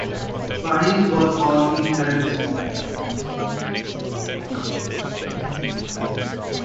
Waris was born in Helsinki.